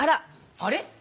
あれ？